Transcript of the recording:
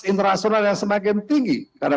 internasional yang semakin tinggi karena